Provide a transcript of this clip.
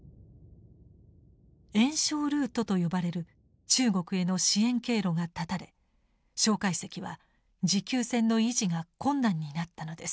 援ルートと呼ばれる中国への支援経路が断たれ介石は持久戦の維持が困難になったのです。